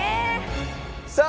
さあ